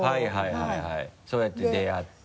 はいはいそうやって出会って。